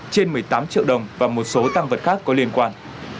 trên một mươi tám triệu đồng và một số tăng vật khác có liên quan